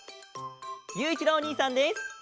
ゆういちろうおにいさんです！